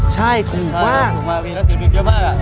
ใช่ถูกมากเหลือเป็นเยอะมากอ่ะ